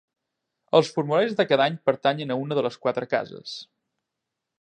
Els formularis de cada any pertanyen a una de les quatre cases.